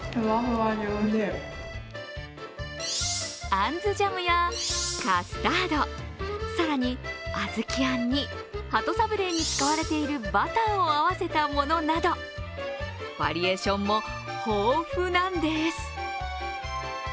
あんずジャムやカスタード、更に小豆あんに鳩サブレーに使われているバターを合わせたものなどバリエーションも豊富なんです。